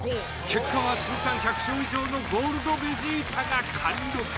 結果は通算１００勝以上のゴールドベジータが貫禄勝ち。